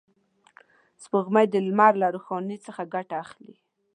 سپوږمۍ د لمر له روښنایي څخه ګټه اخلي